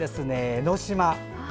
江の島。